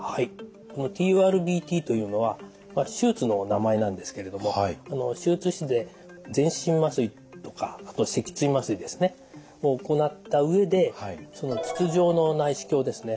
ＴＵＲＢＴというのは手術の名前なんですけれども手術室で全身麻酔とか脊椎麻酔ですね。を行った上で筒状の内視鏡ですね。